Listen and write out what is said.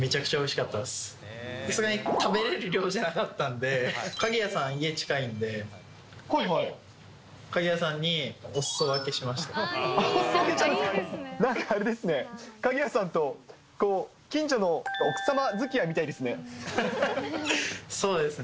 さすがに食べれる量じゃなかったんで、鍵谷さん、家近いんで、なんかあれですね、鍵谷さんと近所の奥様づきあいみたいですね。